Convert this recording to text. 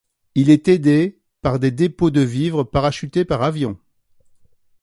Il est aidé par des dépôts de vivres parachutés par avion.